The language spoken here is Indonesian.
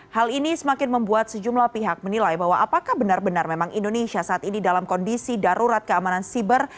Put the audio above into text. hal ini semakin membuat sejumlah pihak menilai bahwa apakah benar benar memang indonesia saat ini dalam kondisi darurat keamanan siber